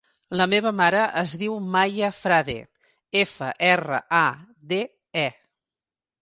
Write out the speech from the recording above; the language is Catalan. La meva mare es diu Maya Frade: efa, erra, a, de, e.